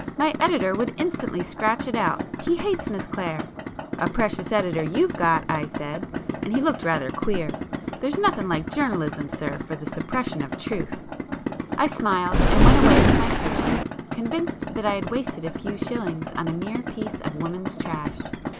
My editor would instantly scratch it out—he hates Miss Clare.' 'A precious editor you've got!' I said, and he looked rather queer. There's nothing like journalism, sir, for the suppression of truth!" I smiled, and went away with my purchase, convinced that I had wasted a few shillings on a mere piece of woman's trash.